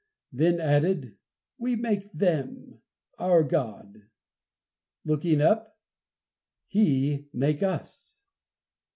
Then added, "We make them. Our God," looking up, "He make us."